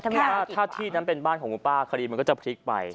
ถ้าที่นั้นเป็นบ้านของคุณป้าคดีมันก็จะพลิกไป